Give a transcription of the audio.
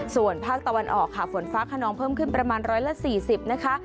ส่วนภาคตะวันออกค่ะฝนฟ้าขนองเพิ่มขึ้นประมาณ๑๔๐นะคะ